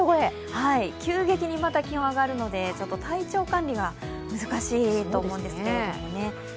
急激に気温が上がるのでちょっと体調管理が難しいと思うんですけれどもね。